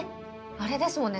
あれですもんね